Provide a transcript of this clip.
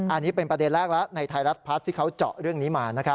อันนี้เป็นประเด็นแรกแล้วในไทยรัฐพลัสที่เขาเจาะเรื่องนี้มา